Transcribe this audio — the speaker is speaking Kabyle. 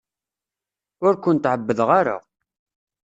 Ur kent-ɛebbdeɣ ara.